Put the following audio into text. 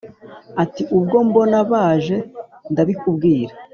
Ati : Ubwo mbona baje ndabikubwira